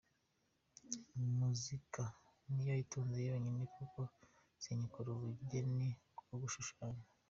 Muzika niyo intunze yonyine kuko singikora ubugeni bwo gushushanya.